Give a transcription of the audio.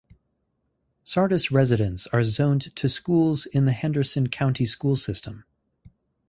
Sardis residents are zoned to schools in the Henderson County School System.